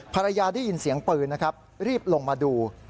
ภรรยาได้ยินเสียงปืนนะครับรีบลงมาดู